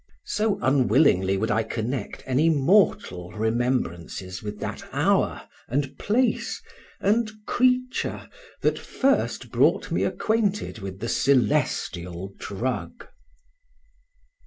So unwillingly would I connect any mortal remembrances with that hour, and place, and creature, that first brought me acquainted with the celestial drug.